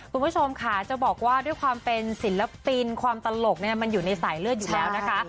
คุณผู้ชมค่ะจะบอกว่าด้วยความเป็นศิลปินความตลกมันอยู่ในสายเลือดอยู่แล้วนะคะ